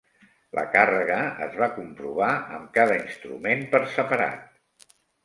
La càrrega es va comprovar amb cada instrument per separat.